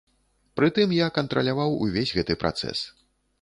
Прытым я кантраляваў увесь гэты працэс.